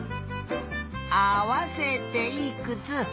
あわせていくつ？